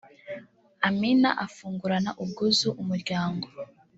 Amina afungurana ubwuzu umuryango